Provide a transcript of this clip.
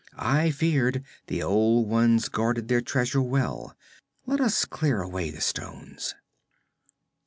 I feared; the old ones guarded their treasure well. Let us clear away the stones.'